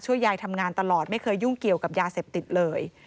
ยายทำงานตลอดไม่เคยยุ่งเกี่ยวกับยาเสพติดเลย